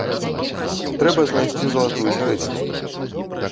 Трэба знайсці залатую сярэдзіну.